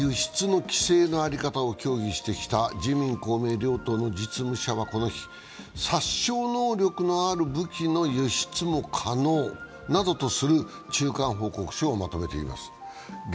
武器輸出の規制の在り方を協議してきた自民・公明両党の実務者はこの日、殺傷能力のある武器の輸出も可能などとする中間報告書をまとめています。